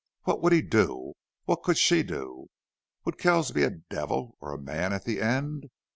What would he do? What could she do? Would Kells be a devil or a man at the end?